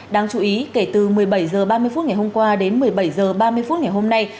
đáng chú ý kể từ một mươi bảy h ba mươi phút ngày hôm qua đến một mươi bảy h ba mươi phút ngày hôm nay